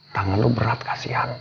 tangan lo berat kasihan